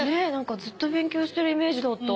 ずっと勉強してるイメージだった。